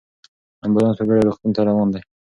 امبولانس په بیړه روغتون ته روان دی.